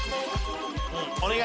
お願い！